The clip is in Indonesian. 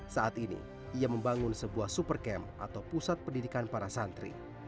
saat ini ia membangun sebuah supercamp atau pusat pendidikan para santri